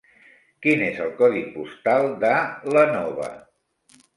Quin és el codi postal de l'Énova?